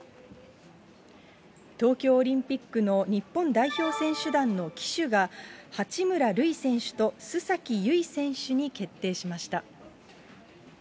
東京オリンピックの日本代表選手団の旗手が、八村塁選手と須崎優衣選手に決定しました。